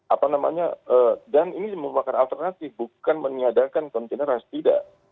apa namanya dan ini merupakan alternatif bukan meniadarkan kontainer harus tidak